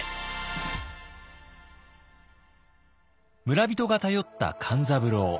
村人が頼った勘三郎。